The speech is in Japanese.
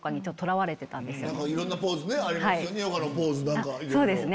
いろんなポーズありますよね